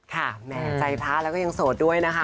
แหมใจพระแล้วก็ยังโสดด้วยนะคะ